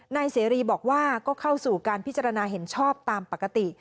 นายเสรีบอกว่าก็เข้าสู่การพิจารณาเห็นชอบตามปกติ